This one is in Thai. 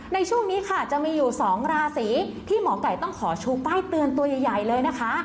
ในช่วงนี้ค่ะจะมีอยู่๒ราศีที่หมอไก่ต้องขอชูป้ายเตือนตัวใหญ่เลยนะคะ